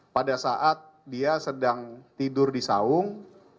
pada saat dia sedang tidur di saung